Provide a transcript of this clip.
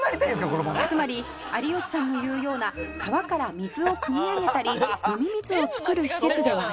この番組」「つまり有吉さんの言うような川から水をくみ上げたり飲み水を作る施設ではありませんでした」